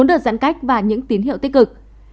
bốn đợt giãn cách và những tín hiệu tích cực